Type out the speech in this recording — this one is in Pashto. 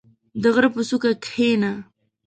• د غره په څوکه کښېنه.